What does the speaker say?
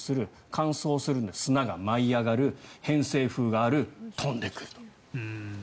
乾燥するんで砂が舞い上がる偏西風がある、飛んでくる。